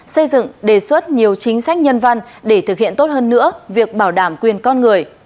xây dựng đề xuất nhiều chính sách nhân văn để thực hiện tốt hơn nữa việc bảo đảm quyền con người